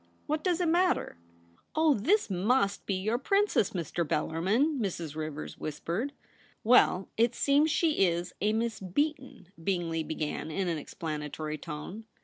* What does it matter ?'' Oh, this mus^ be your Princess, Mr. Bel larmin,' Mrs. Rivers whispered. 'Well, it seems she is a Miss Beaton,' Bingley began, in an explanatory tone.